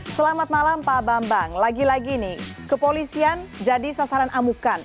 selamat malam pak bambang lagi lagi nih kepolisian jadi sasaran amukan